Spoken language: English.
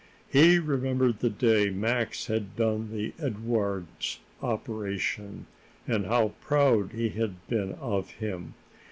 He remembered the day Max had done the Edwardes operation, and how proud he had been of him.